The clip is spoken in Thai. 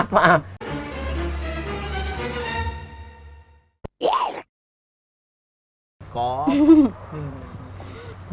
กรอบ